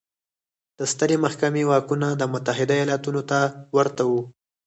د سترې محکمې واکونه د متحده ایالتونو ته ورته وو.